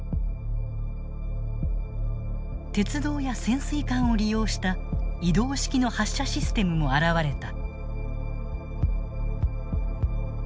鉄道や潜水艦を利用した移動式の発射システムも現れた。